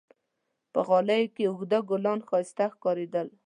په غالیو کې اوږده ګلان ښایسته ښکارېدل.